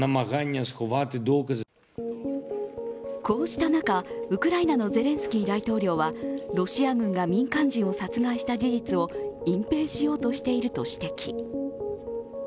こうした中、ウクライナのゼレンスキー大統領はロシア軍が民間人を殺害した事実を隠蔽しようとしていると指摘。